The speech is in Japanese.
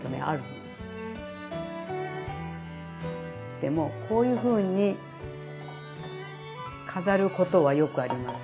でもこういうふうに飾ることはよくあります